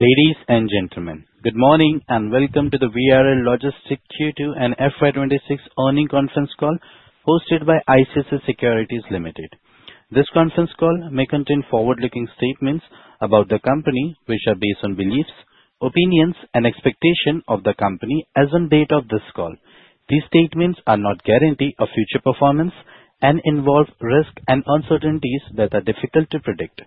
Ladies and gentlemen, good morning and welcome to the VRL Logistics Q2 and FY 2026 Earnings Conference call hosted by ICICI Securities Limited. This Conference Call may contain forward-looking statements about the company, which are based on beliefs, opinions, and expectations of the company as of the date of this call. These statements are not guarantees of future performance and involve risks and uncertainties that are difficult to predict.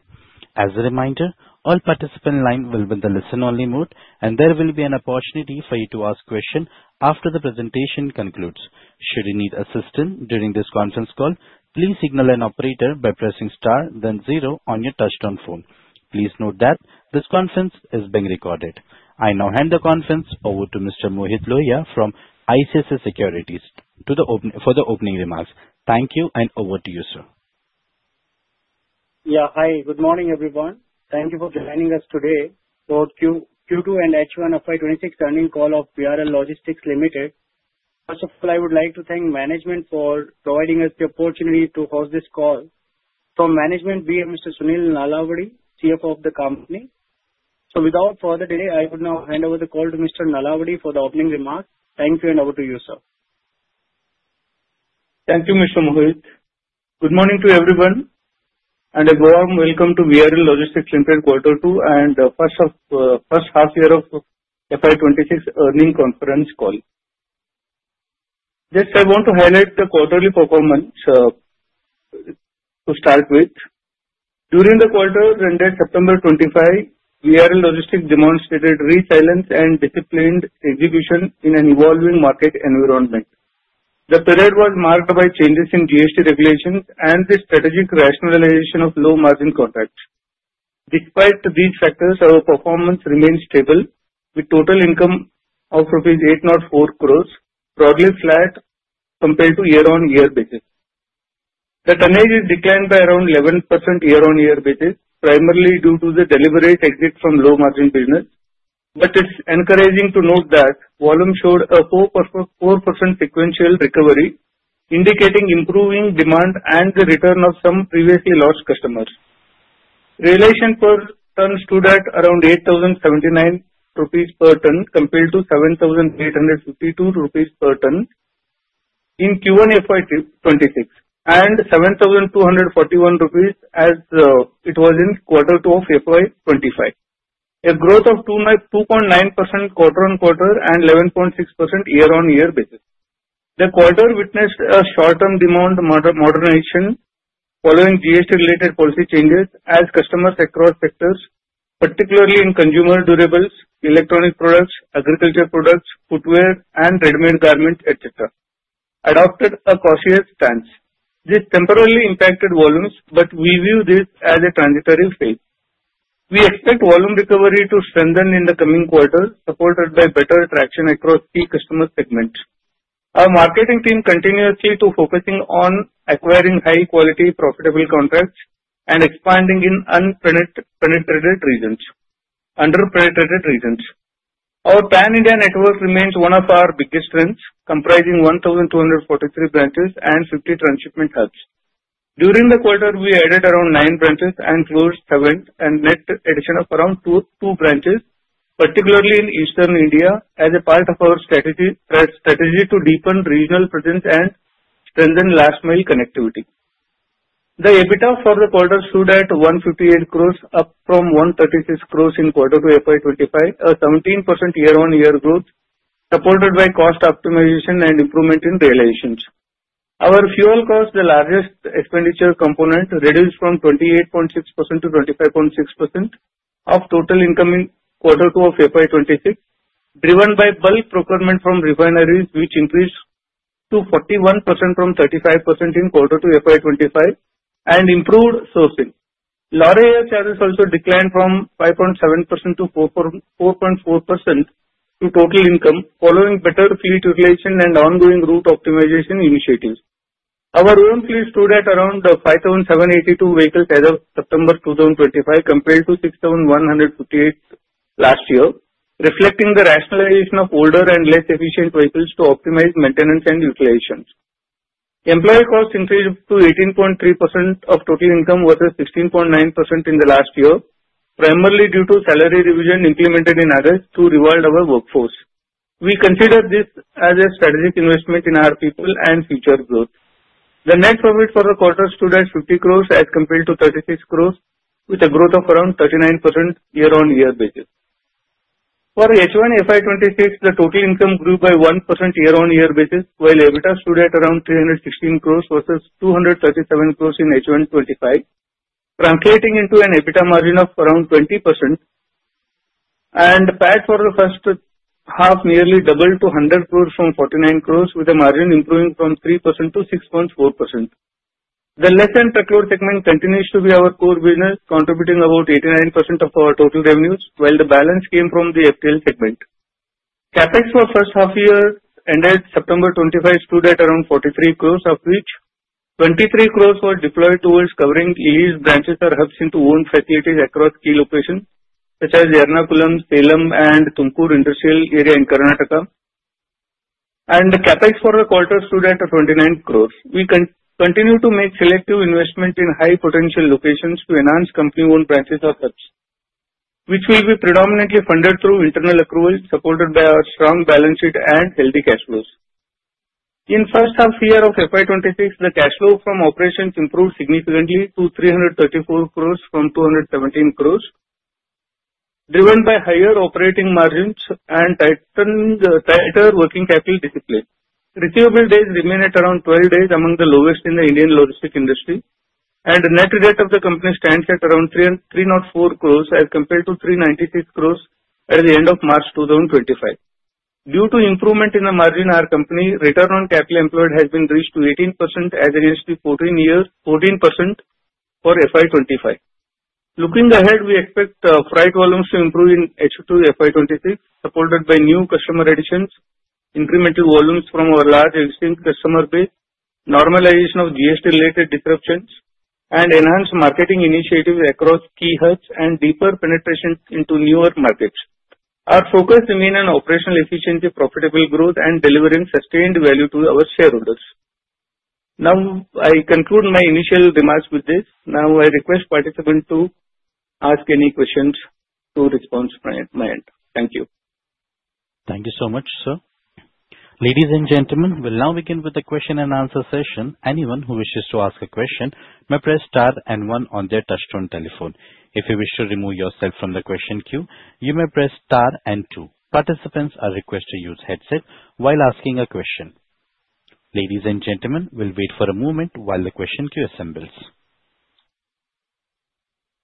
As a reminder, all participants in the line will be in the listen-only mode, and there will be an opportunity for you to ask questions after the presentation concludes. Should you need assistance during this conference call, please signal an operator by pressing star, then zero on your touch-tone phone. Please note that this conference is being recorded. I now hand the conference over to Mr. Mohit Lohia from ICICI Securities for the opening remarks. Thank you, and over to you, sir. Yeah, hi. Good morning, everyone. Thank you for joining us today for Q2 and H1 FY26 Earnings call of VRL Logistics Limited. First of all, I would like to thank management for providing us the opportunity to host this call. From management, we have Mr. Sunil Nalavadi, CFO of the company. So without further delay, I would now hand over the call to Mr. Nalavadi for the opening remarks. Thank you, and over to you, sir. Thank you, Mr. Mohit. Good morning to everyone, and a warm welcome to VRL Logistics Limited Q2 and first half year of FY26 Earnings Conference Call. Just I want to highlight the quarterly performance to start with. During the quarter ended September 2025, VRL Logistics demonstrated resilience and disciplined execution in an evolving market environment. The period was marked by changes in GST regulations and the strategic rationalization of low-margin contracts. Despite these factors, our performance remained stable, with total income of rupees 804 crores broadly flat compared to year-on-year basis. The tonnage is declined by around 11% year-on-year basis, primarily due to the deliberate exit from low-margin business, but it's encouraging to note that volume showed a 4% sequential recovery, indicating improving demand and the return of some previously lost customers. Realization per ton stood at around 8,079 rupees per ton compared to 7,852 rupees per ton in Q1 FY26 and 7,241 rupees as it was in Q2 of FY25. A growth of 2.9% quarter-on-quarter and 11.6% year-on-year basis. The quarter witnessed a short-term demand moderation following GST-related policy changes as customers across sectors, particularly in consumer durables, electronic products, agricultural products, footwear, and ready-made garments, etc., adopted a cautious stance. This temporarily impacted volumes, but we view this as a transitory phase. We expect volume recovery to strengthen in the coming quarter, supported by better traction across key customer segments. Our marketing team continues to focus on acquiring high-quality, profitable contracts and expanding in unpenetrated regions. Our pan-India network remains one of our biggest strengths, comprising 1,243 branches and 50 transshipment hubs. During the quarter, we added around nine branches and closed seven, and net addition of around two branches, particularly in Eastern India, as a part of our strategy to deepen regional presence and strengthen last-mile connectivity. The EBITDA for the quarter stood at 158 crores, up from 136 crores in Q2 FY25, a 17% year-on-year growth, supported by cost optimization and improvement in realization. Our fuel cost, the largest expenditure component, reduced from 28.6% to 25.6% of total income in Q2 of FY26, driven by bulk procurement from refineries, which increased to 41% from 35% in Q2 FY25 and improved sourcing. Labour service also declined from 5.7% to 4.4% of total income, following better fleet utilization and ongoing route optimization initiatives. Our own fleet stood at around 5,782 vehicles as of September 2025, compared to 6,158 last year, reflecting the rationalization of older and less efficient vehicles to optimize maintenance and utilization. Employee cost increased to 18.3% of total income versus 16.9% in the last year, primarily due to salary revision implemented in August to reward our workforce. We consider this as a strategic investment in our people and future growth. The net profit for the quarter stood at 50 crores as compared to 36 crores, with a growth of around 39% year-on-year basis. For H1 FY26, the total income grew by 1% year-on-year basis, while EBITDA stood at around 316 crores versus 237 crores in H1 FY25, translating into an EBITDA margin of around 20%, and PAT for the first half nearly doubled to 100 crores from 49 crores, with a margin improving from 3% to 6.4%. The Less-than-Truckload segment continues to be our core business, contributing about 89% of our total revenues, while the balance came from the FTL segment. CapEx for first half year ended September 2025 stood at around 43 crores, of which 23 crores were deployed towards converting leased branches or hubs into owned facilities across key locations such as Ernakulam, Salem, and Tumkur Industrial Area in Karnataka. And the CapEx for the quarter stood at 29 crores. We continue to make selective investment in high-potential locations to enhance company-owned branches or hubs, which will be predominantly funded through internal accrual, supported by our strong balance sheet and healthy cash flows. In first half year of FY26, the cash flow from operations improved significantly to 334 crores from 217 crores, driven by higher operating margins and tighter working capital discipline. Receivables days remain at around 12 days, among the lowest in the Indian Logistics industry, and net debt of the company stands at around 304 crores as compared to 396 crores at the end of March 2025. Due to improvement in the margin, our company Return on Capital Employed has reached 18% as against the 14% for FY 2025. Looking ahead, we expect freight volumes to improve in H2 FY 2026, supported by new customer additions, incremental volumes from our large existing customer base, normalization of GST-related disruptions, and enhanced marketing initiatives across key hubs and deeper penetration into newer markets. Our focus remains on operational efficiency, profitable growth, and delivering sustained value to our shareholders. Now, I conclude my initial remarks with this. Now, I request participants to ask any questions. I'll respond at my end. Thank you. Thank you so much, sir. Ladies and gentlemen, we'll now begin with the question and answer session. Anyone who wishes to ask a question may press star and one on their touch-tone telephone. If you wish to remove yourself from the question queue, you may press star and two. Participants are requested to use headsets while asking a question. Ladies and gentlemen, we'll wait for a moment while the question queue assembles.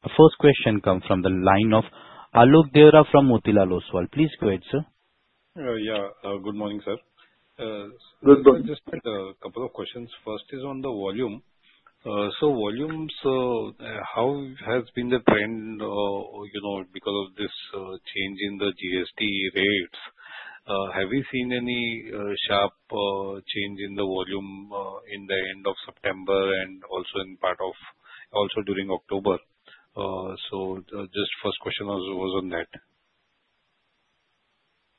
Our first question comes from the line of Alok Deora from Motilal Oswal. Please go ahead, sir. Yeah, good morning, sir. Good morning. Just a couple of questions. First is on the volume. So volumes, how has been the trend because of this change in the GST rates? Have we seen any sharp change in the volume in the end of September and also in part of October? So just first question was on that.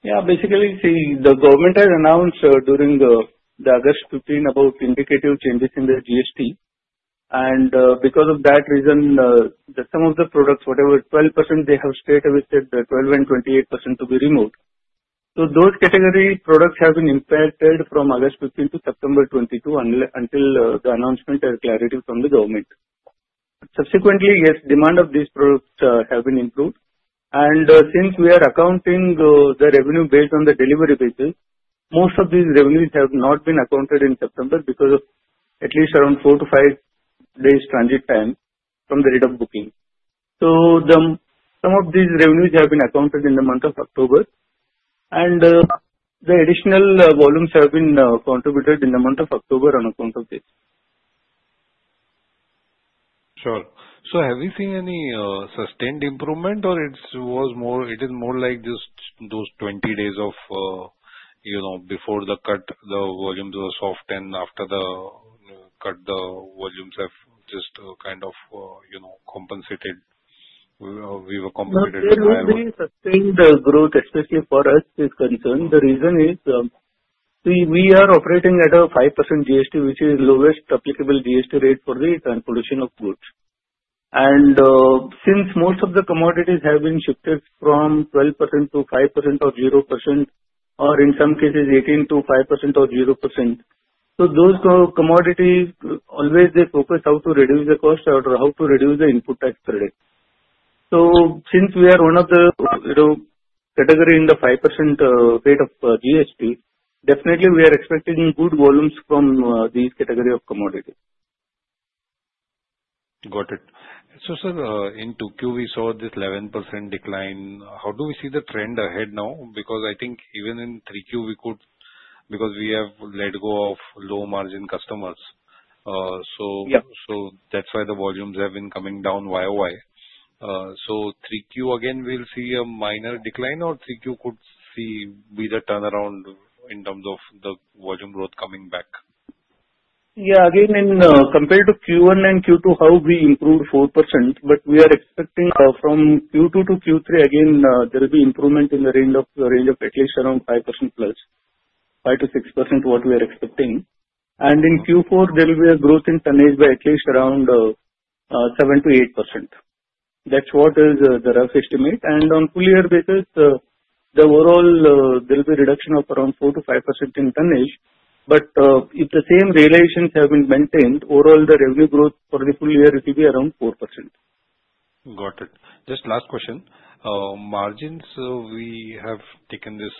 Yeah, basically, the government has announced during the August 15 about indicative changes in the GST. And because of that reason, some of the products, whatever 12% they have stayed with the 12, and 28% to be removed. So those category products have been impacted from August 15 to September 22, until the announcement and clarity from the government. Subsequently, yes, demand of these products has been improved. And since we are accounting the revenue based on the delivery basis, most of these revenues have not been accounted in September because of at least around four to five days transit time from the rate of booking. So some of these revenues have been accounted in the month of October, and the additional volumes have been contributed in the month of October on account of this. Sure. So have we seen any sustained improvement, or it is more like just those 20 days before the cut, the volumes were soft, and after the cut, the volumes have just kind of compensated? We were compensated. If we're seeing sustained growth, especially for us with concern, the reason is we are operating at a 5% GST, which is the lowest applicable GST rate for the transportation of goods. Since most of the commodities have been shifted from 12% to 5% or 0%, or in some cases 18% to 5% or 0%, those commodities always focus on how to reduce the cost or how to reduce the Input Tax Credit. Since we are one of the category in the 5% rate of GST, definitely we are expecting good volumes from these category of commodities. Got it. So sir, in 2Q, we saw this 11% decline. How do we see the trend ahead now? Because I think even in 3Q, we could, because we have let go of low-margin customers. So that's why the volumes have been coming down YoY. So 3Q, again, we'll see a minor decline, or 3Q could be the turnaround in terms of the volume growth coming back? Yeah, again, in compared to Q1 and Q2, how we improved 4%, but we are expecting from Q2 to Q3, again, there will be improvement in the range of at least around 5% plus, 5% to 6%, what we are expecting. And in Q4, there will be a growth in tonnage by at least around 7% to 8%. That's what is the rough estimate. And on full-year basis, the overall, there will be a reduction of around 4% to 5% in tonnage. But if the same relations have been maintained, overall, the revenue growth for the full year will be around 4%. Got it. Just last question. Margins, we have taken this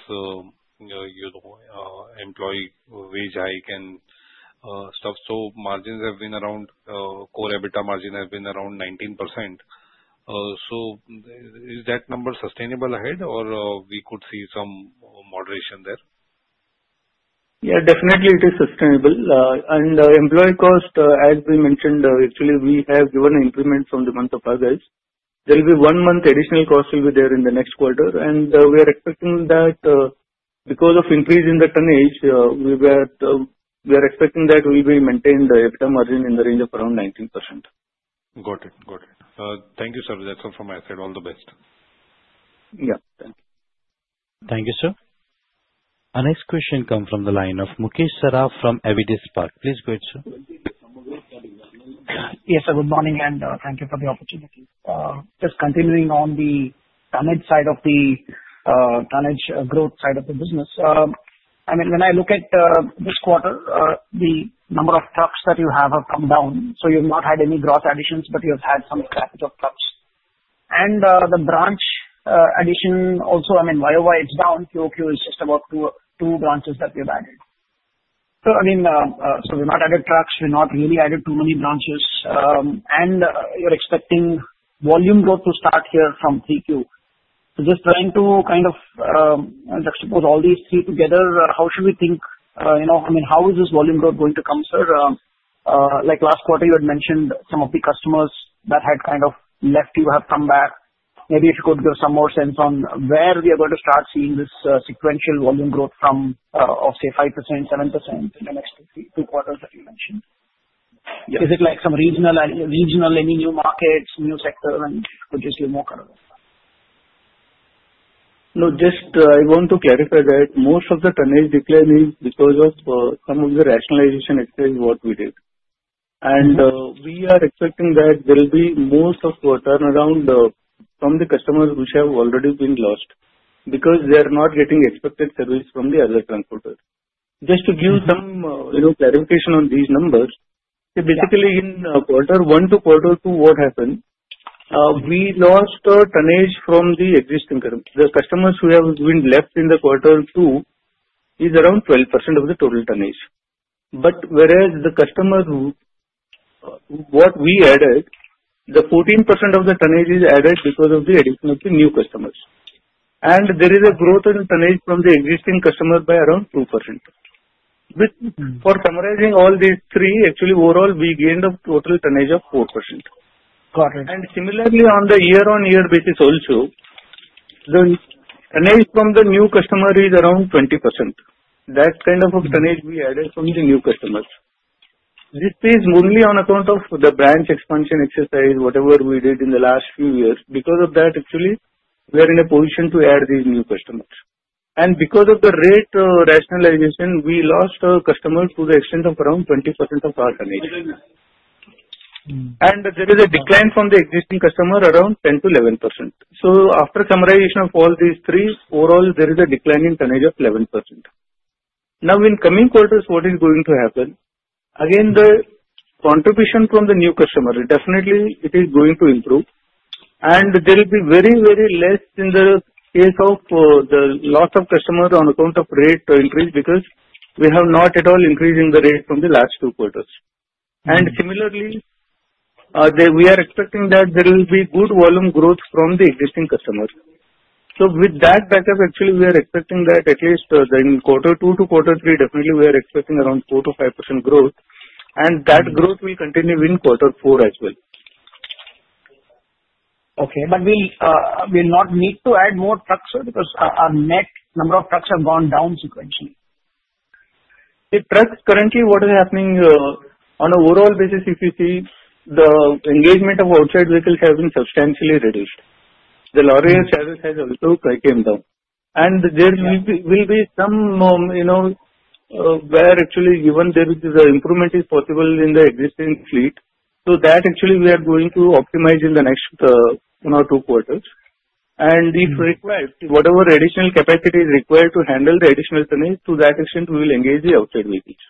employee wage hike and stuff, so margins have been around core EBITDA margin has been around 19%. So is that number sustainable ahead, or we could see some moderation there? Yeah, definitely, it is sustainable. And employee cost, as we mentioned, actually, we have given an increment from the month of August. There will be one month additional cost will be there in the next quarter, and we are expecting that because of increase in the tonnage, we are expecting that we will maintain the EBITDA margin in the range of around 19%. Got it. Got it. Thank you, sir. That's all from my side. All the best. Yeah. Thank you. Thank you, sir. Our next question comes from the line of Mukesh Saraf from Avendus Spark. Please go ahead, sir. Yes, sir. Good morning, and thank you for the opportunity. Just continuing on the tonnage side of the tonnage growth side of the business. I mean, when I look at this quarter, the number of trucks that you have come down. So you've not had any gross additions, but you've had some scrap of trucks, and the branch addition also, I mean, YoY, it's down. QoQ is just about two branches that we've added. So I mean, we've not added trucks. We've not really added too many branches, and you're expecting volume growth to start here from 3Q. So just trying to kind of, I suppose, all these three together, how should we think? I mean, how is this volume growth going to come, sir? Like last quarter, you had mentioned some of the customers that had kind of left you, have come back. Maybe if you could give some more sense on where we are going to start seeing this sequential volume growth from, say, 5% to 7% in the next two quarters that you mentioned? Is it like some regional, any new markets, new sectors, and could you give more color? No, just I want to clarify that most of the tonnage decline is because of some of the rationalization exercise what we did. And we are expecting that there will be most of the turnaround from the customers which have already been lost because they are not getting expected service from the other transporters. Just to give some clarification on these numbers, basically in quarter one to quarter two, what happened, we lost tonnage from the existing core. The customers who have been lost in the quarter two is around 12% of the total tonnage. But whereas the customer, what we added, the 14% of the tonnage is added because of the addition of the new customers. And there is a growth in tonnage from the existing customer by around 2%. For summarizing all these three, actually, overall, we gained a total tonnage of 4%. And similarly, on the year-on-year basis also, the tonnage from the new customer is around 20%. That kind of tonnage we added from the new customers. This is mainly on account of the branch expansion exercise, whatever we did in the last few years. Because of that, actually, we are in a position to add these new customers. And because of the rate rationalization, we lost customers to the extent of around 20% of our tonnage. And there is a decline from the existing customer around 10% to 11%. So after summarization of all these three, overall, there is a declining tonnage of 11%. Now, in coming quarters, what is going to happen? Again, the contribution from the new customer, definitely, it is going to improve. There will be very, very less in the case of the loss of customer on account of rate increase because we have not at all increased the rate from the last two quarters. Similarly, we are expecting that there will be good volume growth from the existing customers. With that backup, actually, we are expecting that at least in quarter two to quarter three, definitely, we are expecting around 4% to 5% growth. That growth will continue in quarter four as well. Okay. But we'll not need to add more trucks, sir, because our net number of trucks have gone down sequentially. The trucks currently, what is happening on an overall basis, if you see, the engagement of outside vehicles has been substantially reduced. The lorry service has also came down, and there will be somewhere actually, given there is an improvement is possible in the existing fleet, so that actually, we are going to optimize in the next two quarters, and if required, whatever additional capacity is required to handle the additional tonnage, to that extent, we will engage the outside vehicles.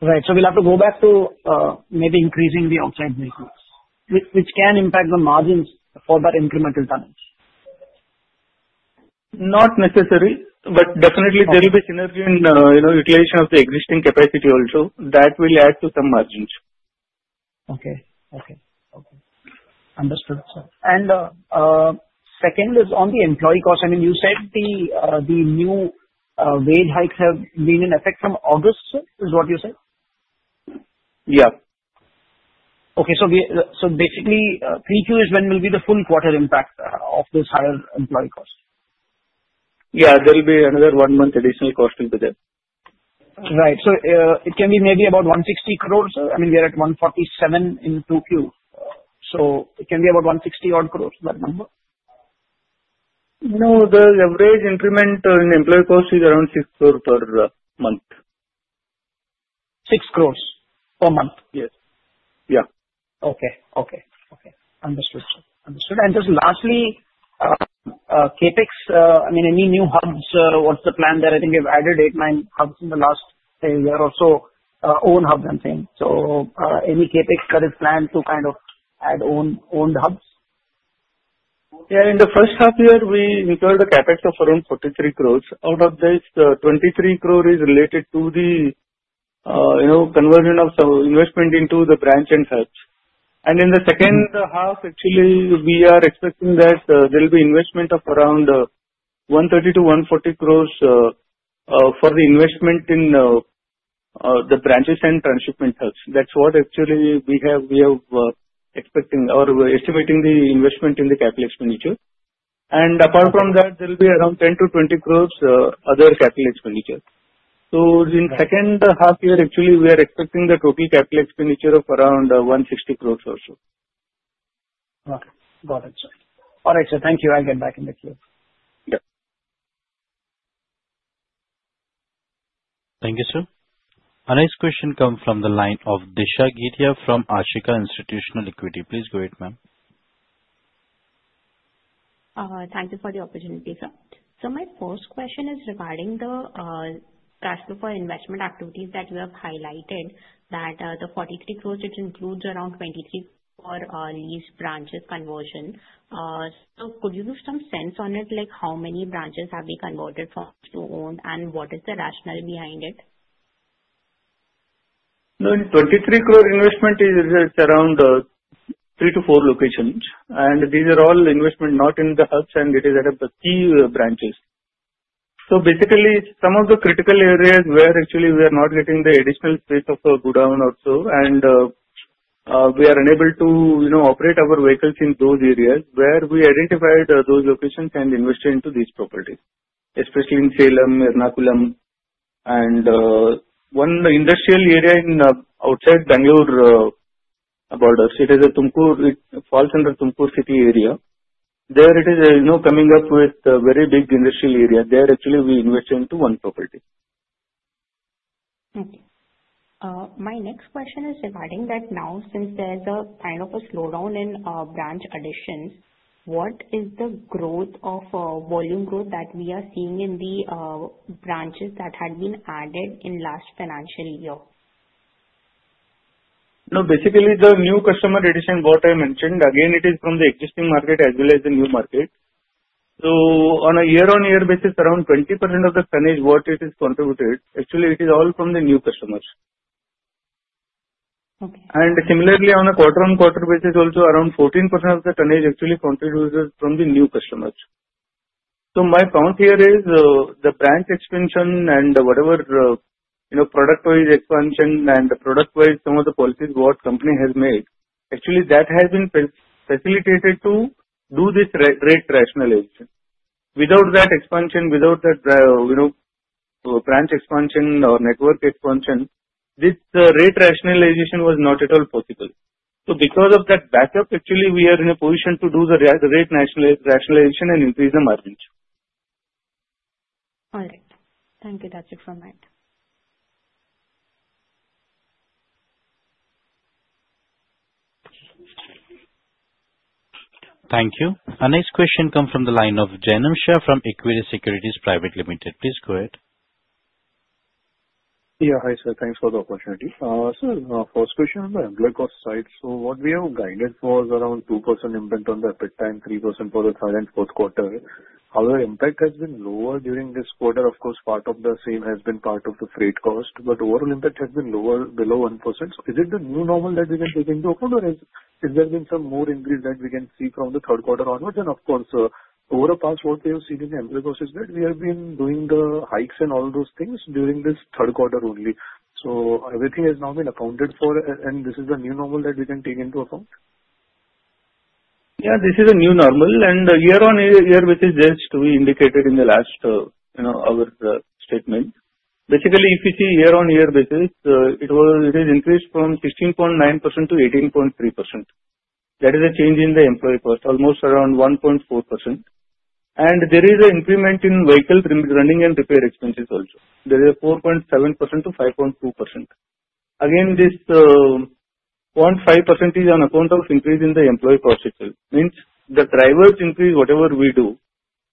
Right. So we'll have to go back to maybe increasing the outside vehicles, which can impact the margins for that incremental tonnage? Not necessary, but definitely, there will be synergy in utilization of the existing capacity also. That will add to some margins. Okay. Understood, sir. And second is on the employee cost. I mean, you said the new wage hikes have been in effect from August, sir, is what you said? Yeah. Okay, so basically, 3Q is when will be the full quarter impact of this higher employee cost? Yeah. There will be another one-month additional cost there. Right. So it can be maybe about 160 crores, sir? I mean, we are at 147 in 2Q. So it can be about 160-odd crores, that number? No. The average increment in employee cost is around 60 million per month. 6 crores per month? Yes. Yeah. Okay. Understood, sir. Understood. And just lastly, CapEx, I mean, any new hubs, what's the plan there? I think you've added eight, nine hubs in the last year or so, own hubs and things. So any CapEx that is planned to kind of add owned hubs? Yeah. In the first half year, we incurred a CapEx of around 43 crores. Out of this, 23 crores is related to the conversion of investment into the branch and hubs. And in the second half, actually, we are expecting that there will be investment of around 130-140 crores for the investment in the branches and transshipment hubs. That's what actually we have expecting or estimating the investment in the capital expenditure. And apart from that, there will be around 10-20 crores other capital expenditure. So in the second half year, actually, we are expecting the total capital expenditure of around 160 crores also. Got it. Got it, sir. All right, sir. Thank you. I'll get back in the queue. Yeah. Thank you, sir. Our next question comes from the line of Disha Giria from Ashika Institutional Equities. Please go ahead, ma'am. Thank you for the opportunity, sir. So my first question is regarding the cash flow for investment activities that you have highlighted, that the 43 crores, it includes around 23 crores for lease branches conversion. So could you give some sense on it, like how many branches have been converted from leased to owned, and what is the rationale behind it? 23 crores investment is around three to four locations. And these are all investment not in the hubs, and it is at the key branches. So basically, some of the critical areas where actually we are not getting the additional space of a godown also, and we are unable to operate our vehicles in those areas where we identified those locations and invested into these properties, especially in Salem, Ernakulam, and one industrial area outside Bangalore borders. It is Tumkur. It falls under Tumkur City area. There it is coming up with a very big industrial area. There actually we invested into one property. Okay. My next question is regarding that now, since there's a kind of a slowdown in branch additions, what is the growth of volume growth that we are seeing in the branches that had been added in last financial year? No. Basically, the new customer addition, what I mentioned, again, it is from the existing market as well as the new market. So on a year-on-year basis, around 20% of the tonnage what it is contributed, actually, it is all from the new customers. And similarly, on a quarter-on-quarter basis, also around 14% of the tonnage actually contributes from the new customers. So my point here is the branch expansion and whatever product-wise expansion and product-wise some of the policies what company has made, actually, that has been facilitated to do this rate rationalization. Without that expansion, without that branch expansion or network expansion, this rate rationalization was not at all possible. So because of that backup, actually, we are in a position to do the rate rationalization and increase the margin. All right. Thank you. That's it from my end. Thank you. Our next question comes from the line of Janam Shah from Equirus Securities Private Limited. Please go ahead. Yeah. Hi, sir. Thanks for the opportunity. Sir, first question on the employee cost side. So what we have guided was around 2% impact on the EBITDA, 3% for the third and fourth quarter. However, impact has been lower during this quarter. Of course, part of the same has been part of the freight cost, but overall impact has been lower, below 1%. So is it the new normal that we can take into account, or has there been some more increase that we can see from the third quarter onwards? And of course, over the past, what we have seen in employee cost is that we have been doing the hikes and all those things during this third quarter only. So everything has now been accounted for, and this is the new normal that we can take into account. Yeah. This is a new normal. And year-on-year basis, just we indicated in the last of our statement. Basically, if you see year-on-year basis, it has increased from 16.9% to 18.3%. That is a change in the employee cost, almost around 1.4%. And there is an increment in vehicle running and repair expenses also. There is a 4.7% to 5.2%. Again, this 0.5% is on account of increase in the employee cost itself. Means the driver's increase, whatever we do,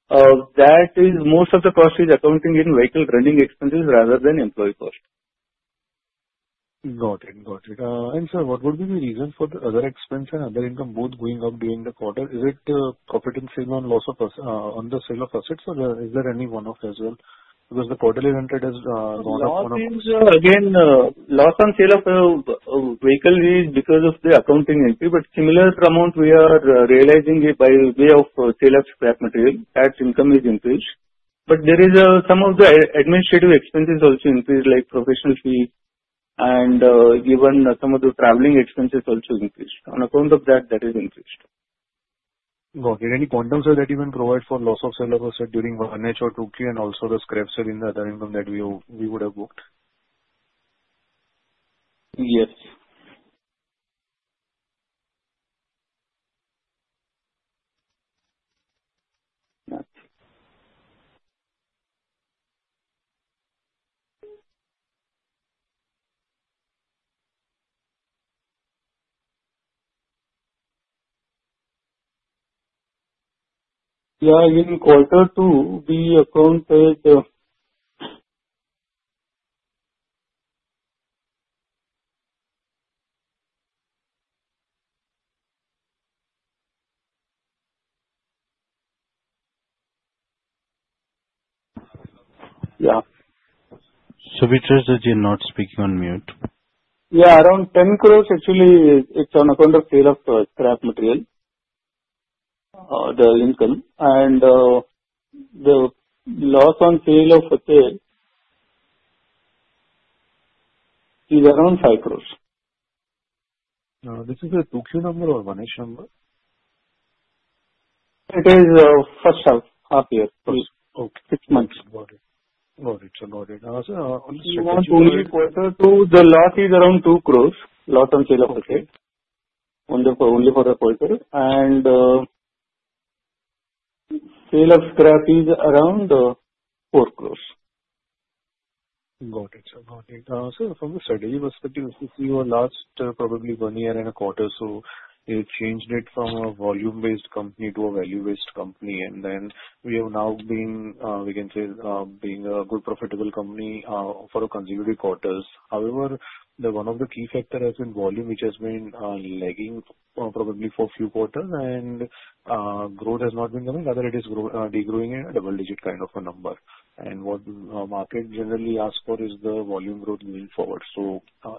that is most of the cost is accounting in vehicle running expenses rather than employee cost. Got it. Got it. And sir, what would be the reason for the other expense and other income both going up during the quarter? Is it profit and sale on the sale of assets, or is there any one-off as well? Because the quarterly rental has gone up. No. Again, loss on sale of vehicle is because of the accounting entry, but similar amount we are realizing by way of sale of scrap material. That income is increased. But there is some of the administrative expenses also increased, like professional fees, and given some of the traveling expenses also increased. On account of that, that has increased. Got it. Any quantum that you can provide for loss of sale of asset during one H or 2Q and also the scrap sale in the other income that we would have booked? Yes. Yeah. In quarter two, we accounted yeah. So, which was the guy not speaking on mute? Yeah. Around 10 crores actually is on account of sale of scrap material, the income. And the loss on sale of assets is around 5 crores. This is a 2Q number or 1H number? It is first half year, first six months. Got it. Only quarter two, the loss is around 2 crores, loss on sale of assets only for the quarter, and sale of scrap is around 4 crores. Got it. Sir, from a strategy perspective, your last probably one year and a quarter, so you changed it from a volume-based company to a value-based company. Then we have now been, we can say, being a good profitable company for consecutive quarters. However, one of the key factors has been volume, which has been lagging probably for a few quarters, and growth has not been coming. Rather, it is degrowing a double-digit kind of a number. What market generally asks for is the volume growth moving forward.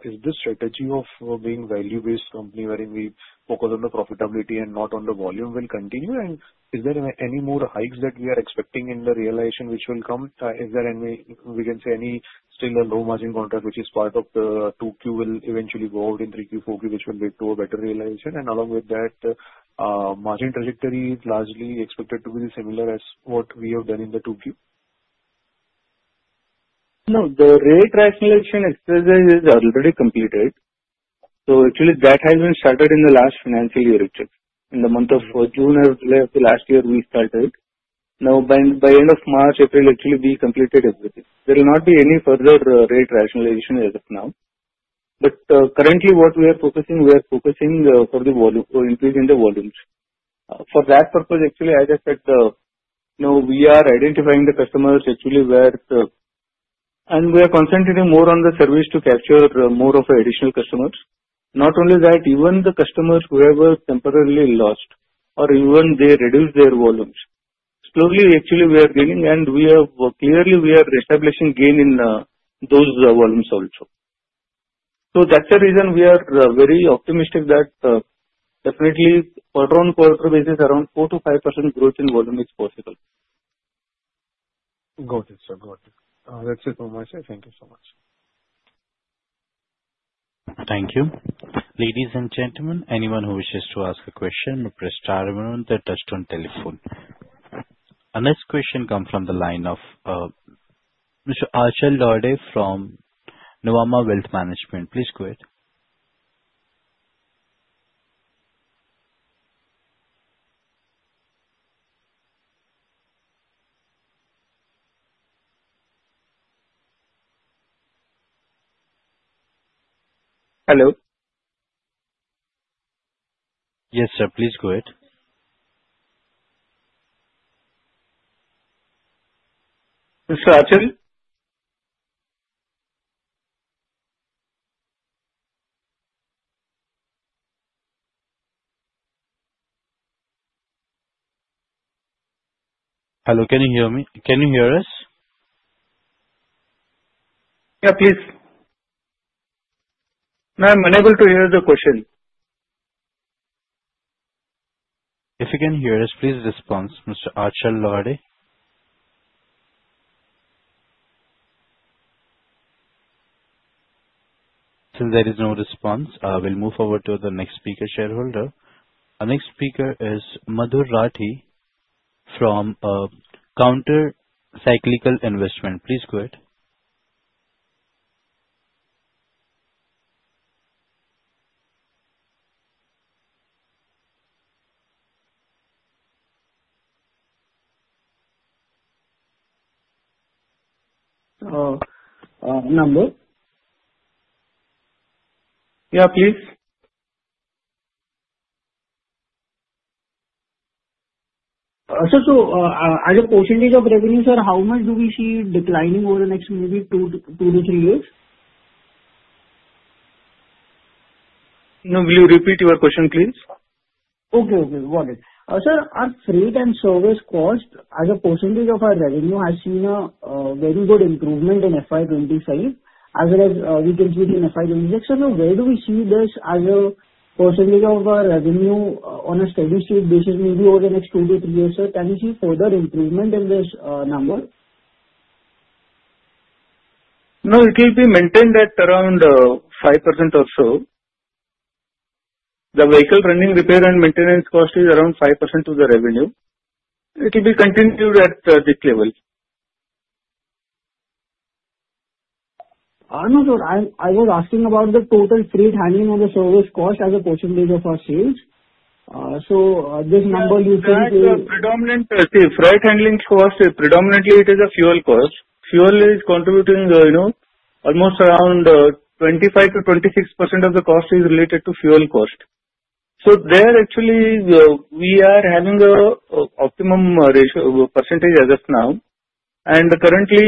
Is this strategy of being value-based company wherein we focus on the profitability and not on the volume going to continue? Is there any more hikes that we are expecting in the realization which will come? Is there any, we can say, any still a low-margin contract which is part of the 2Q will eventually go out in 3Q, 4Q, which will lead to a better realization? And along with that, margin trajectory is largely expected to be similar as what we have done in the 2Q? No. The rate rationalization exercise is already completed. So actually, that has been started in the last financial year, reached. In the month of June or July of the last year, we started. Now, by end of March, April, actually, we completed everything. There will not be any further rate rationalization as of now. But currently, what we are focusing, we are focusing for the increase in the volumes. For that purpose, actually, as I said, we are identifying the customers actually where the. And we are concentrating more on the service to capture more of our additional customers. Not only that, even the customers who have temporarily lost or even they reduce their volumes, slowly actually we are gaining, and we have clearly we are establishing gain in those volumes also. So that's the reason we are very optimistic that definitely quarter-on-quarter basis, around 4%-5% growth in volume is possible. Got it, sir. Got it. That's it from my side. Thank you so much. Thank you. Ladies and gentlemen, anyone who wishes to ask a question, please start the touchtone telephone. Our next question comes from the line of Mr. Achal Lohade from Nuvama Wealth Management. Please go ahead. Hello. Yes, sir. Please go ahead. Mr. Achal? Hello. Can you hear me? Can you hear us? Yeah. Please. Now I'm unable to hear the question. If you can hear us, please respond, Mr. Achal Lohade. Since there is no response, we'll move over to the next speaker shareholder. Our next speaker is Madhur Rathi from Counter Cyclical Investments. Please go ahead. Number? Yeah. Please. Sir, so as a percentage of revenue, sir, how much do we see declining over the next maybe two to three years? No. Will you repeat your question, please? Okay. Okay. Got it. Sir, our freight and service cost, as a percentage of our revenue, has seen a very good improvement in FY25, as well as we can see it in FY26. Sir, where do we see this as a percentage of our revenue on a steady-state basis maybe over the next two to three years, sir? Can we see further improvement in this number? No. It will be maintained at around 5% or so. The vehicle running repair and maintenance cost is around 5% of the revenue. It will be continued at this level. I was asking about the total freight handling and the service cost as a percentage of our sales. So this number you think is? See, freight handling cost, predominantly, it is a fuel cost. Fuel is contributing almost around 25% to 26% of the cost is related to fuel cost. So there actually, we are having an optimum percentage as of now. And currently,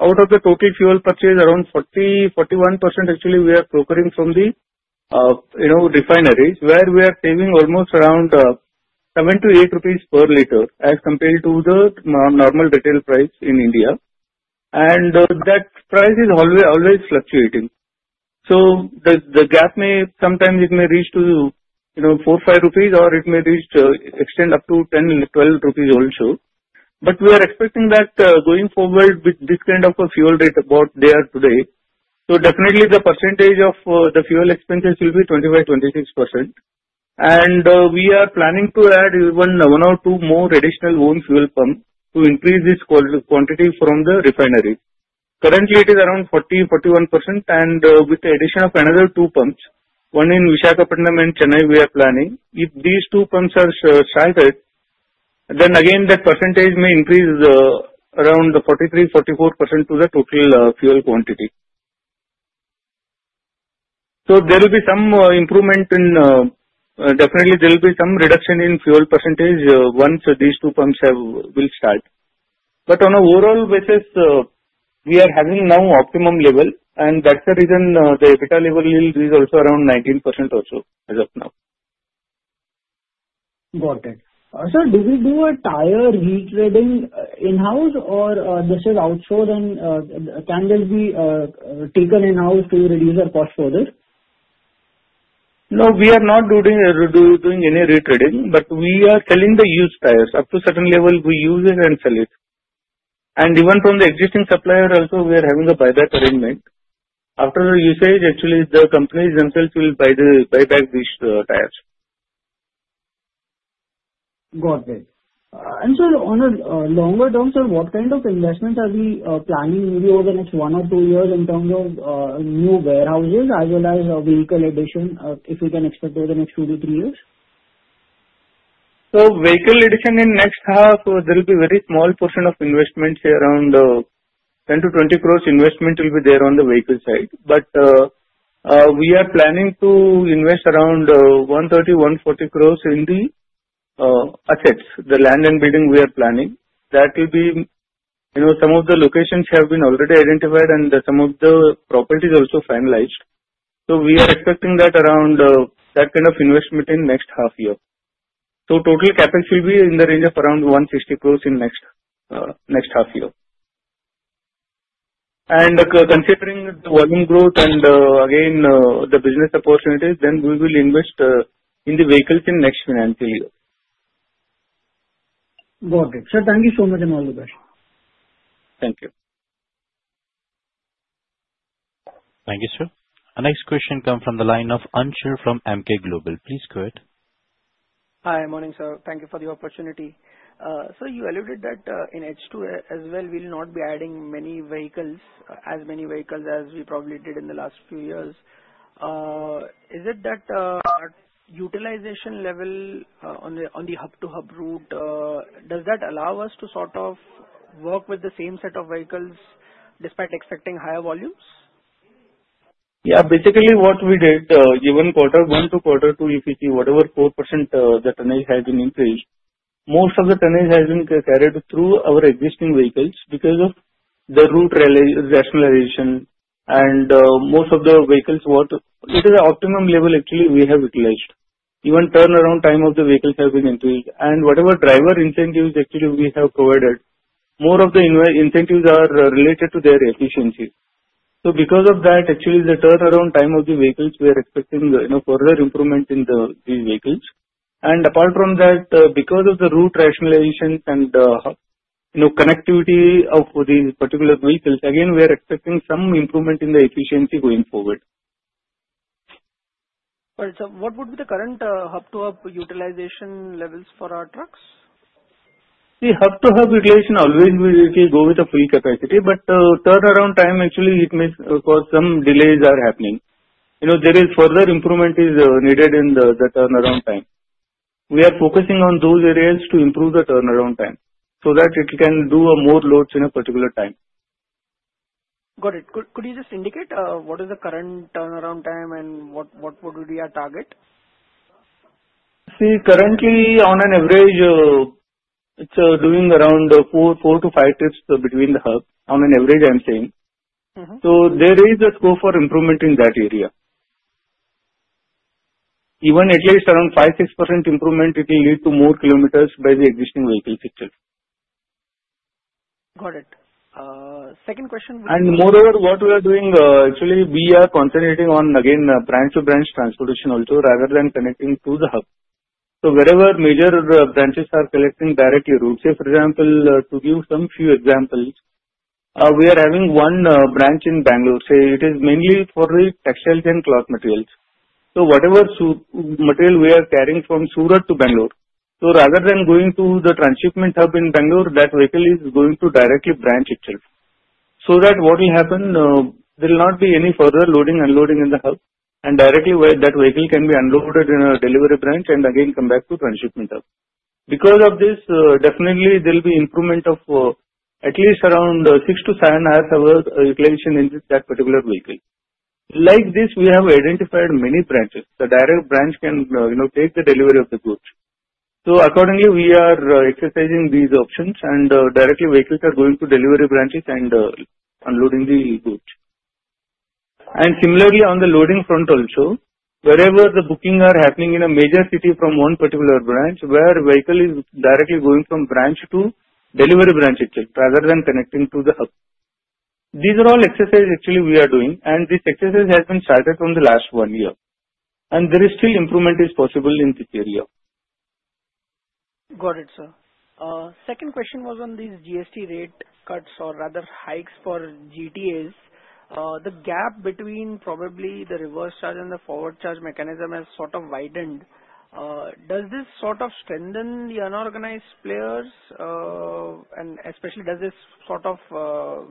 out of the total fuel purchase, around 40% to 41% actually we are procuring from the refineries, where we are saving almost around 7-8 rupees per liter as compared to the normal retail price in India. And that price is always fluctuating. So the gap may sometimes it may reach to 4-5 rupees, or it may reach extend up to 10-12 rupees also. But we are expecting that going forward with this kind of a fuel rate about there today. So definitely, the percentage of the fuel expenses will be 25% to 26%. We are planning to add even one or two more additional owned fuel pumps to increase this quantity from the refineries. Currently, it is around 40% to 41%. With the addition of another two pumps, one in Visakhapatnam and Chennai, we are planning. If these two pumps are started, then again, that percentage may increase around 43% to 44% to the total fuel quantity. There will be some improvement. Definitely, there will be some reduction in fuel percentage once these two pumps will start. On an overall basis, we are having now optimum level. That's the reason the EBITDA level is also around 19% also as of now. Got it. Sir, do we do a tire retreading in-house, or this is outsourced, and can this be taken in-house to reduce our cost further? No. We are not doing any retreading, but we are selling the used tires. Up to a certain level, we use it and sell it. And even from the existing supplier also, we are having a buyback arrangement. After the usage, actually, the companies themselves will buy back these tires. Got it. And sir, on a longer term, sir, what kind of investments are we planning maybe over the next one or two years in terms of new warehouses as well as vehicle addition, if w e can expect over the next two to three years? Vehicle addition in next half, there will be a very small portion of investments around 10-20 crores. Investment will be there on the vehicle side. But we are planning to invest around 130-140 crores in the assets, the land and building we are planning. That will be. Some of the locations have been already identified, and some of the properties also finalized. We are expecting that around that kind of investment in next half year. Total CapEx will be in the range of around 160 crores in next half year. Considering the volume growth and again, the business opportunities, then we will invest in the vehicles in next financial year. Got it. Sir, thank you so much and all the best. Thank you. Thank you, sir. Our next question comes from the line of Anchit from Emkay Global Financial Services. Please go ahead. Hi. Morning, sir. Thank you for the opportunity. Sir, you alluded that in H2 as well, we'll not be adding as many vehicles as we probably did in the last few years. Is it that utilization level on the hub-to-hub route? Does that allow us to sort of work with the same set of vehicles despite expecting higher volumes? Yeah. Basically, what we did, even quarter one to quarter two, if you see whatever 4% the tonnage has been increased, most of the tonnage has been carried through our existing vehicles because of the route rationalization. And most of the vehicles it is an optimum level actually we have utilized. Even turnaround time of the vehicles has been increased. And whatever driver incentives actually we have provided, more of the incentives are related to their efficiency. So because of that, actually, the turnaround time of the vehicles, we are expecting further improvement in these vehicles. And apart from that, because of the route rationalization and connectivity of these particular vehicles, again, we are expecting some improvement in the efficiency going forward. All right. Sir, what would be the current hub-to-hub utilization levels for our trucks? See, hub-to-hub utilization always will go with a full capacity. But turnaround time, actually, it may cause some delays are happening. There is further improvement is needed in the turnaround time. We are focusing on those areas to improve the turnaround time so that it can do more loads in a particular time. Got it. Could you just indicate what is the current turnaround time and what would be our target? See, currently, on an average, it's doing around 4 to 5 trips between the hubs. On an average, I'm saying. So there is a scope for improvement in that area. Even at least around 5-6% improvement, it will lead to more kilometers by the existing vehicles itself. Got it. Second question would be. And moreover, what we are doing, actually, we are concentrating on, again, branch-to-branch transportation also rather than connecting to the hub. So wherever major branches are collecting directly route, say, for example, to give some few examples, we are having one branch in Bangalore. Say, it is mainly for the textiles and cloth materials. So whatever material we are carrying from Surat to Bangalore, so rather than going to the transshipment hub in Bangalore, that vehicle is going to directly branch itself. So that what will happen, there will not be any further loading and unloading in the hub. And directly, that vehicle can be unloaded in a delivery branch and again come back to transshipment hub. Because of this, definitely, there will be improvement of at least around six to seven hours of utilization in that particular vehicle. Like this, we have identified many branches. The direct branch can take the delivery of the goods. So accordingly, we are exercising these options, and directly, vehicles are going to delivery branches and unloading the goods. And similarly, on the loading front also, wherever the bookings are happening in a major city from one particular branch, where vehicle is directly going from branch to delivery branch itself rather than connecting to the hub. These are all exercises actually we are doing, and this exercise has been started from the last one year. And there is still improvement is possible in this area. Got it, sir. Second question was on these GST rate cuts or rather hikes for GTAs. The gap between probably the reverse charge and the forward charge mechanism has sort of widened. Does this sort of strengthen the unorganized players? And especially, does this sort of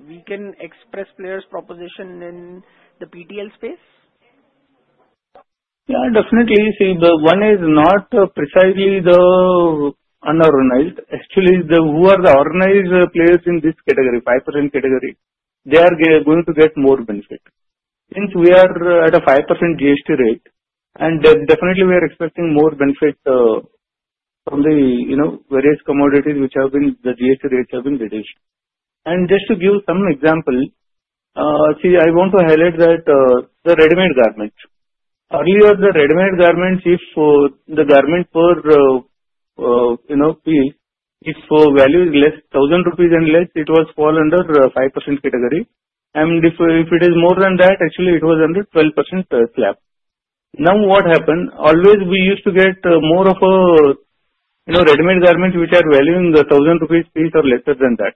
weaken express players' proposition in the PTL space? Yeah. Definitely. See, the one is not precisely the unorganized. Actually, who are the organized players in this category, 5% category, they are going to get more benefit. Since we are at a 5% GST rate, and definitely, we are expecting more benefit from the various commodities which have been the GST rates have been reduced. And just to give some example, see, I want to highlight that the ready-made garments. Earlier, the ready-made garments, if the garment per piece, if value is less, 1,000 rupees and less, it was fall under 5% category. And if it is more than that, actually, it was under 12% slab. Now what happened, always we used to get more of a ready-made garments which are valuing 1,000 rupees piece or lesser than that.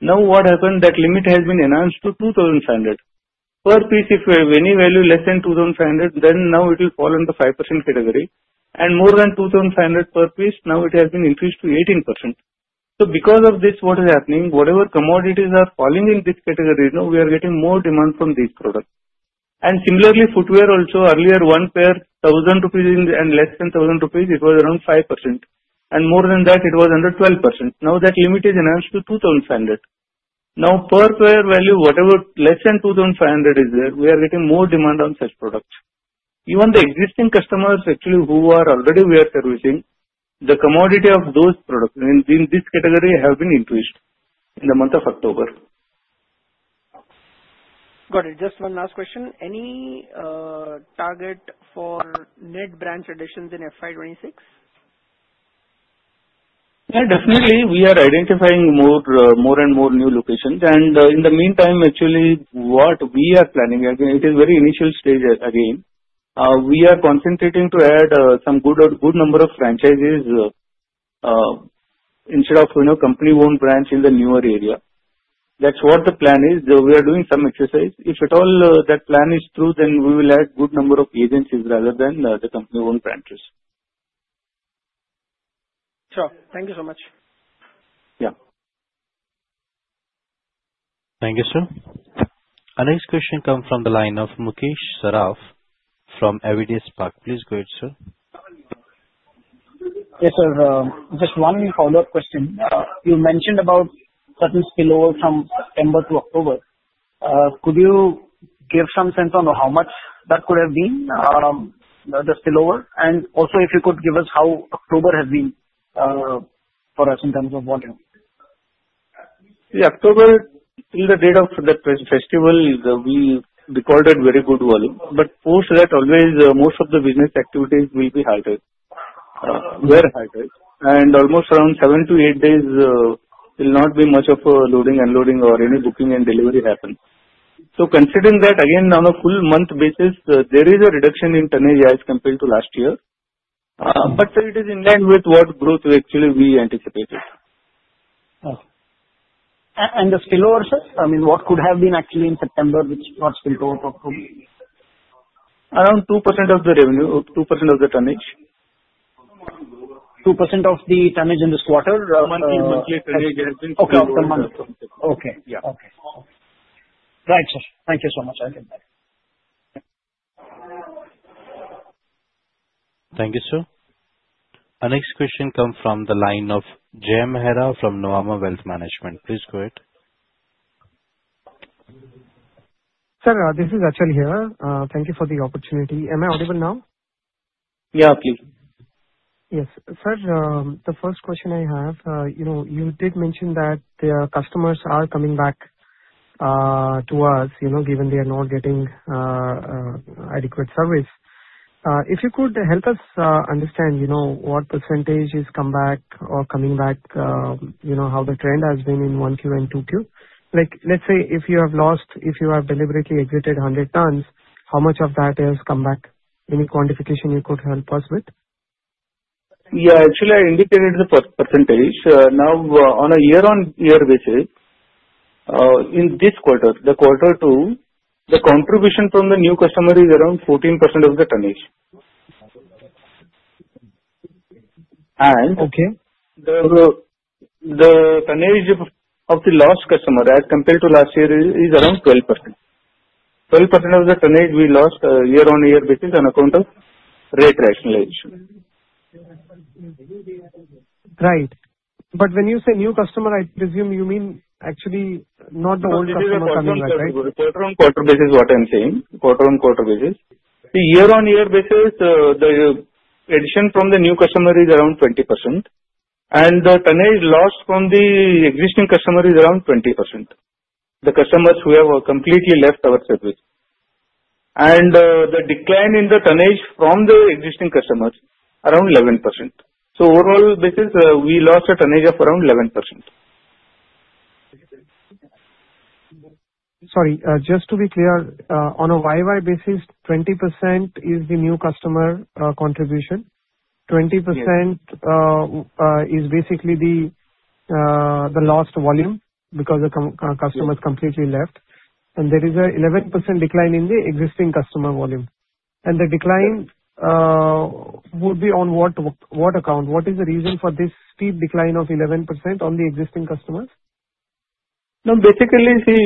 Now what happened, that limit has been enhanced to 2,500. Per piece, if any value less than 2,500, then now it will fall under 5% category, and more than 2,500 per piece, now it has been increased to 18%. So because of this, what is happening, whatever commodities are falling in this category, we are getting more demand from these products, and similarly, footwear also, earlier, one pair 1,000 rupees and less than 1,000 rupees, it was around 5%, and more than that, it was under 12%. Now that limit is enhanced to 2,500. Now per pair value, whatever less than 2,500 is there, we are getting more demand on such products. Even the existing customers actually who are already we are servicing, the commodity of those products in this category have been increased in the month of October. Got it. Just one last question. Any target for net branch additions in FY26? Yeah. Definitely, we are identifying more and more new locations. And in the meantime, actually, what we are planning, again, it is very initial stage again. We are concentrating to add some good number of franchises instead of company-owned branch in the newer area. That's what the plan is. We are doing some exercise. If at all that plan is true, then we will add good number of agencies rather than the company-owned branches. Sure. Thank you so much. Yeah. Thank you, sir. Our next question comes from the line of Mukesh Saraf from Avendus Spark. Please go ahead, sir. Yes, sir. Just one follow-up question. You mentioned about certain spillover from September to October. Could you give some sense on how much that could have been, the spillover? And also, if you could give us how October has been for us in terms of volume. See, October till the date of the festival, we recorded very good volume. But post that, always most of the business activities will be halted, were halted. And almost around seven to eight days, there will not be much of loading and unloading or any booking and delivery happen. So considering that, again, on a full month basis, there is a reduction in tonnage as compared to last year. But it is in line with what growth actually we anticipated. The spillover, sir? I mean, what could have been actually in September, which got spilled over to October? Around 2% of the revenue, 2% of the tonnage. 2% of the tonnage in this quarter? Monthly tonnage has spilled over. Okay. After monthly. Okay. Yeah. Okay. Right, sir. Thank you so much. I'll take my leave. Thank you, sir. Our next question comes from the line of Achal Lohade from Nuvama Wealth Management. Please go ahead. Sir, this is Achal here. Thank you for the opportunity. Am I audible now? Yeah, please. Yes. Sir, the first question I have, you did mention that the customers are coming back to us given they are not getting adequate service. If you could help us understand what percentage is comeback or coming back, how the trend has been in 1Q and 2Q? Let's say if you have lost, if you have deliberately exited 100 tons, how much of that has come back? Any quantification you could help us with? Yeah. Actually, I indicated the percentage. Now, on a year-on-year basis, in this quarter, quarter two, the contribution from the new customer is around 14% of the tonnage. And the tonnage of the lost customer as compared to last year is around 12%. 12% of the tonnage we lost year-on-year basis on account of rate rationalization. Right. But when you say new customer, I presume you mean actually not the old customer coming back, right? Quarter-on-quarter basis is what I'm saying. Quarter-on-quarter basis. See, year-on-year basis, the addition from the new customer is around 20%. And the tonnage lost from the existing customer is around 20%. The customers who have completely left our service. And the decline in the tonnage from the existing customers is around 11%. So overall basis, we lost a tonnage of around 11%. Sorry. Just to be clear, on a YY basis, 20% is the new customer contribution. 20% is basically the lost volume because the customers completely left. And there is an 11% decline in the existing customer volume. And the decline would be on what account? What is the reason for this steep decline of 11% on the existing customers? No. Basically, see,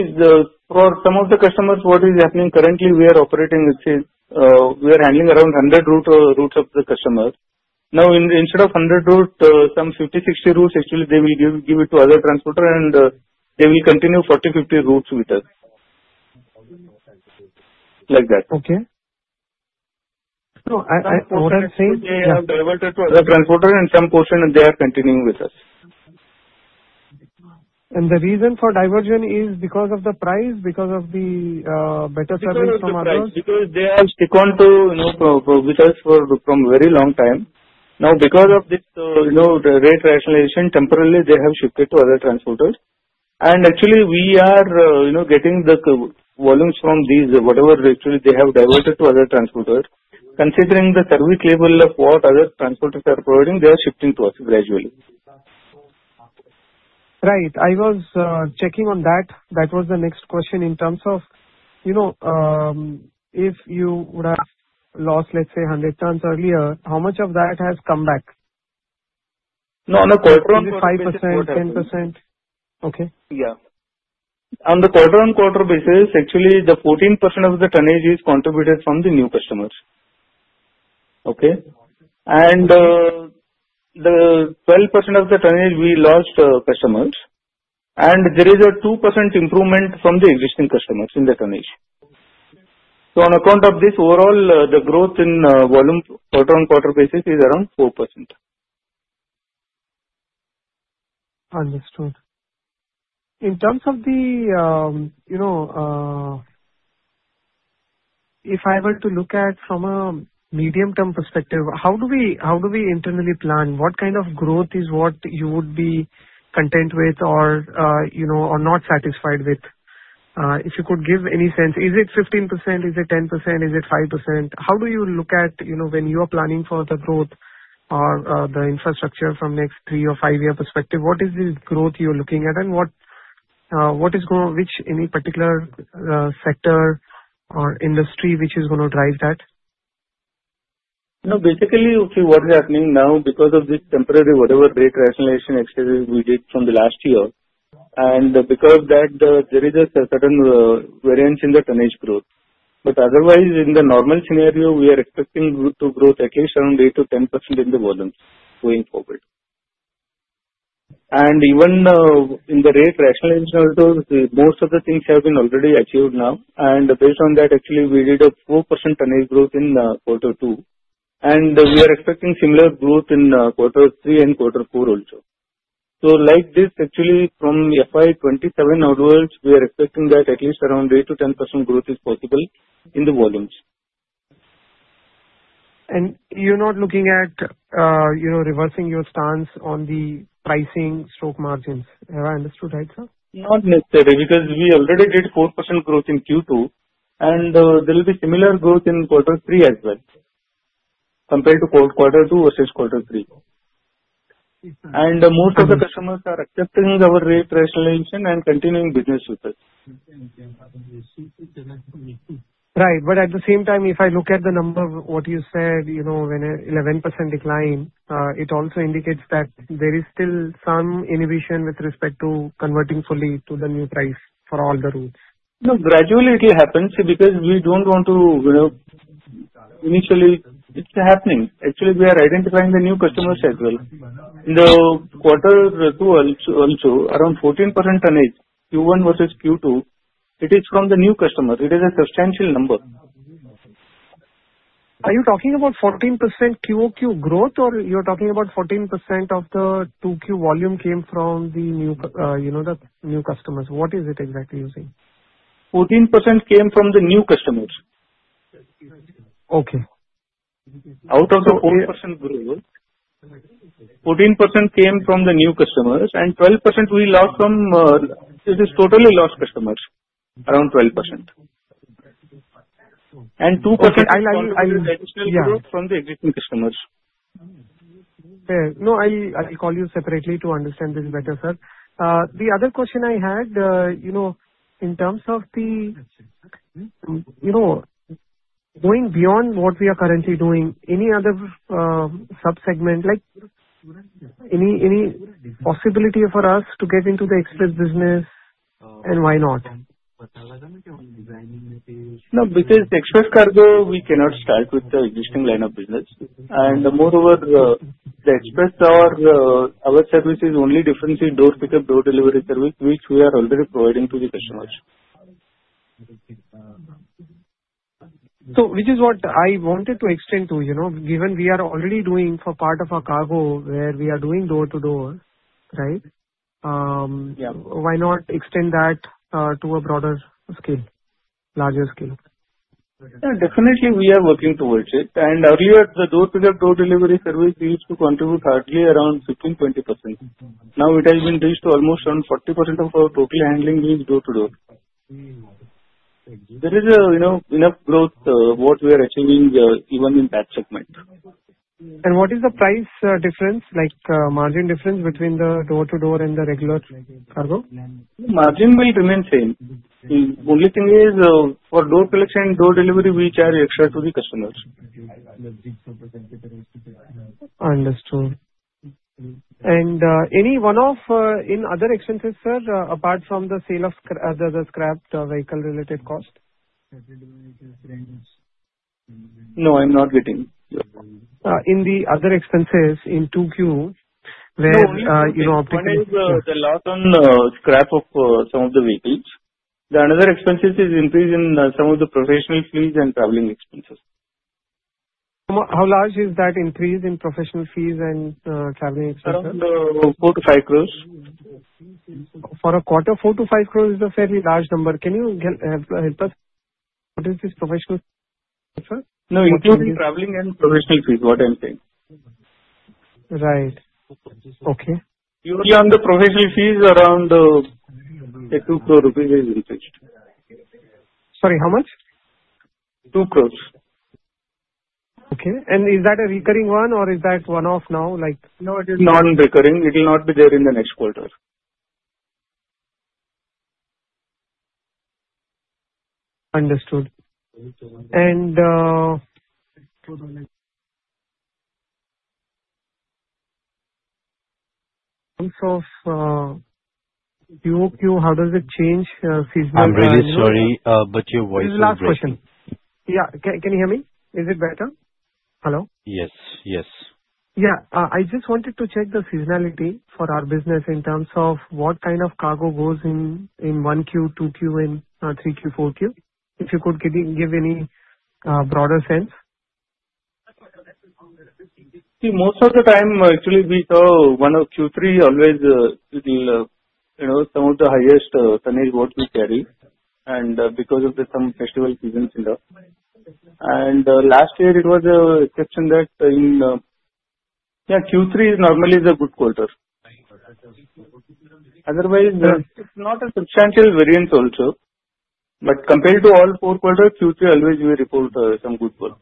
for some of the customers, what is happening currently, we are operating, we are handling around 100 routes of the customers. Now, instead of 100 routes, some 50, 60 routes, actually, they will give it to other transporters, and they will continue 40, 50 routes with us. Like that. Okay. So. So what I'm saying, they have diverted to other transporters, and some portion, they are continuing with us. The reason for diversion is because of the price, because of the better service from others? Because they have stuck with us for a very long time. Now, because of this rate rationalization, temporarily, they have shifted to other transporters, and actually, we are getting the volumes from these whatever actually they have diverted to other transporters. Considering the service level of what other transporters are providing, they are shifting to us gradually. Right. I was checking on that. That was the next question in terms of if you would have lost, let's say, 100 tons earlier, how much of that has come back? No. On a quarter-on-quarter. Only 5%, 10%? Okay. Yeah. On the quarter-on-quarter basis, actually, the 14% of the tonnage is contributed from the new customers. Okay? And the 12% of the tonnage we lost customers. And there is a 2% improvement from the existing customers in the tonnage. So on account of this, overall, the growth in volume quarter-on-quarter basis is around 4%. Understood. In terms of the if I were to look at from a medium-term perspective, how do we internally plan? What kind of growth is what you would be content with or not satisfied with? If you could give any sense, is it 15%? Is it 10%? Is it 5%? How do you look at when you are planning for the growth or the infrastructure from next three or five-year perspective? What is the growth you're looking at, and what is going to which any particular sector or industry which is going to drive that? No. Basically, see what's happening now, because of this temporary whatever rate rationalization exercise we did from the last year. And because of that, there is a certain variance in the tonnage growth. But otherwise, in the normal scenario, we are expecting to grow at least around 8%-10% in the volumes going forward. And even in the rate rationalization also, most of the things have been already achieved now. And based on that, actually, we did a 4% tonnage growth in quarter two. And we are expecting similar growth in quarter three and quarter four also. So like this, actually, from FY27 outwards, we are expecting that at least around 8%-10% growth is possible in the volumes. You're not looking at reversing your stance on the pricing or margins? Have I understood right, sir? Not necessarily because we already did 4% growth in Q2, and there will be similar growth in quarter three as well compared to quarter two versus quarter three, and most of the customers are accepting our rate rationalization and continuing business with us. Right. But at the same time, if I look at the number of what you said, when 11% decline, it also indicates that there is still some inhibition with respect to converting fully to the new price for all the routes? No. Gradually, it will happen because we don't want to initially. It's happening. Actually, we are identifying the new customers as well. In the quarter two also, around 14% tonnage Q1 versus Q2, it is from the new customers. It is a substantial number. Are you talking about 14% QoQ growth, or you're talking about 14% of the 2Q volume came from the new customers? What is it exactly you think? 14% came from the new customers. Okay. Out of the 14% growth, 14% came from the new customers, and 12% we lost from it is totally lost customers, around 12%. And 2% is additional growth from the existing customers. Yeah. No. I'll call you separately to understand this better, sir. The other question I had, in terms of the going beyond what we are currently doing, any other subsegment, any possibility for us to get into the express business, and why not? No. Because express cargo, we cannot start with the existing line of business. And moreover, the express, our service is only differentiated door pickup, door delivery service, which we are already providing to the customers. So which is what I wanted to extend to. Given we are already doing for part of our cargo where we are doing door-to-door, right? Why not extend that to a broader scale, larger scale? Yeah. Definitely, we are working towards it. And earlier, the door pickup, door delivery service used to contribute hardly around 15%-20%. Now, it has been reached almost around 40% of our total handling is door-to-door. There is enough growth what we are achieving even in that segment. What is the price difference, margin difference between the door-to-door and the regular cargo? Margin will remain same. Only thing is for door pickup, door delivery, we charge extra to the customers. Understood. And any one-off in other expenses, sir, apart from the sale of the scrapped vehicle-related cost? No. I'm not getting. In the other expenses in 2Q, were optimal? No. The loss on the scrap of some of the vehicles. The another expenses is increase in some of the professional fees and traveling expenses. How large is that increase in professional fees and traveling expenses? Around INR 4-5 crores. For a quarter, 4-5 crore is a fairly large number. Can you help us? What is this professional fee, sir? No. Including traveling and professional fees, what I'm saying. Right. Okay. On the professional fees, around INR 2 crore is increased. Sorry, how much? 2 crores. Okay. And is that a recurring one, or is that one-off now? No. It is non-recurring. It will not be there in the next quarter. Understood. And in terms of QoQ, how does it change seasonality? I'm really sorry, but your voice is not. Last question. Yeah. Can you hear me? Is it better? Hello? Yes. Yes. Yeah. I just wanted to check the seasonality for our business in terms of what kind of cargo goes in 1Q, 2Q, and 3Q, 4Q. If you could give any broader sense. See, most of the time, actually, we saw one of Q3 always some of the highest tonnage what we carry, and because of some festival seasons in the end and last year, it was an exception that, yeah, Q3 normally is a good quarter. Otherwise, it's not a substantial variance also, but compared to all four quarters, Q3 always we report some good quarter.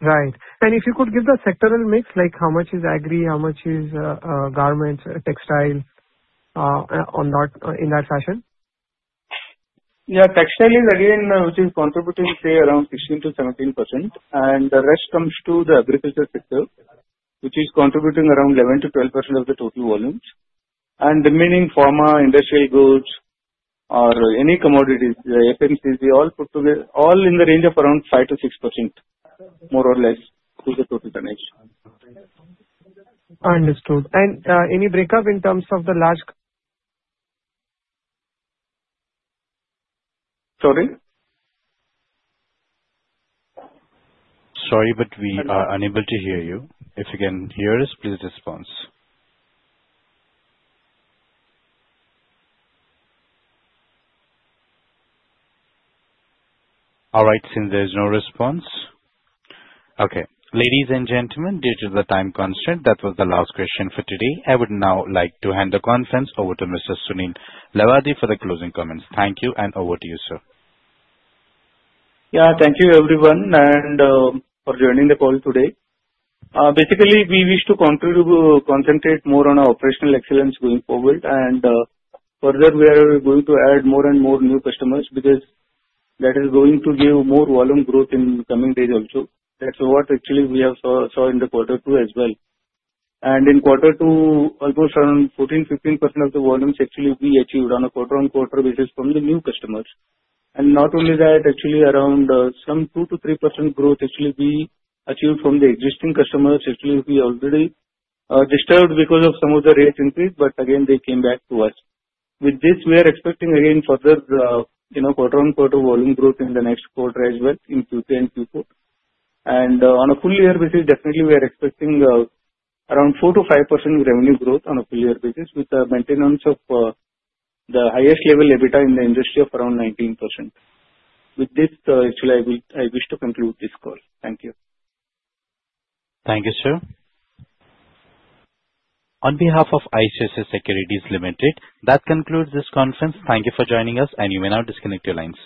Right. And if you could give the sectoral mix, like how much is agri, how much is garments, textile, in that fashion? Yeah. Textile is again, which is contributing, say, around 16% to 17%. And the rest comes to the agriculture sector, which is contributing around 11% to 12% of the total volumes. And the remaining pharma, industrial goods, or any commodities, FMCG, all put together, all in the range of around 5% to 6%, more or less, to the total tonnage. Understood. And any break-up in terms of the large? Sorry? Sorry, but we are unable to hear you. If you can hear us, please respond. All right. Since there is no response. Okay. Ladies and gentlemen, due to the time constraint, that was the last question for today. I would now like to hand the conference over to Mr. Sunil Nalavad for the closing comments. Thank you, and over to you, sir. Yeah. Thank you, everyone, for joining the call today. Basically, we wish to concentrate more on our operational excellence going forward. And further, we are going to add more and more new customers because that is going to give more volume growth in coming days also. That's what actually we have saw in the quarter two as well. And in quarter two, almost around 14% to 15% of the volumes actually we achieved on a quarter-on-quarter basis from the new customers. And not only that, actually around some 2%-3% growth actually we achieved from the existing customers. Actually, we already disturbed because of some of the rate increase, but again, they came back to us. With this, we are expecting again further quarter-on-quarter volume growth in the next quarter as well in Q3 and Q4. On a full-year basis, definitely, we are expecting around 4%-5% revenue growth on a full-year basis with the maintenance of the highest level EBITDA in the industry of around 19%. With this, actually, I wish to conclude this call. Thank you. Thank you, sir. On behalf of ICICI Securities Limited, that concludes this conference. Thank you for joining us, and you may now disconnect your lines.